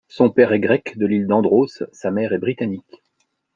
Son père est grec, de l'île d'Andros, sa mère est britannique.